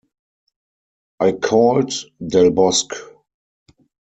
I called Del Bosque.